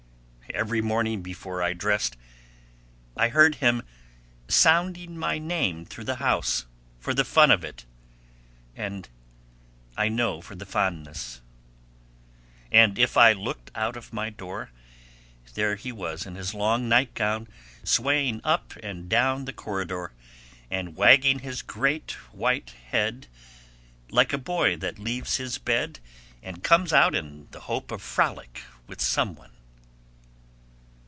Every morning before I dressed I heard him sounding my name through the house for the fun of it and I know for the fondness; and if I looked out of my door, there he was in his long nightgown swaying up and down the corridor, and wagging his great white head like a boy that leaves his bed and comes out in the hope of frolic with some one.